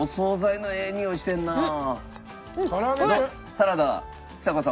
サラダちさ子さん